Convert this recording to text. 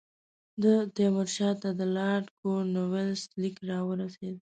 د تیمور شاه ته د لارډ کورنوالیس لیک را ورسېد.